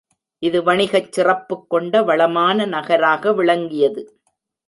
இது வணிகச் சிறப்புக் கொண்ட வளமான நகராக விளங்கியது.